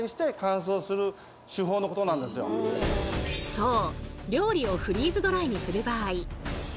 そう！